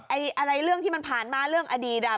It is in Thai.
อะไรเรื่องที่มันผ่านมาเรื่องอดีตอ่ะ